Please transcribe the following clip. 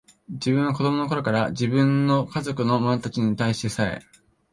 自分は子供の頃から、自分の家族の者たちに対してさえ、